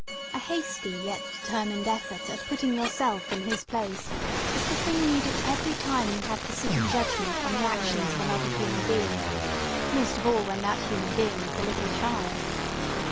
A hasty yet determined effort at putting yourself in his place is the thing needed every time you have to sit in judgment on the actions of another human being most of all when that human being is a little child.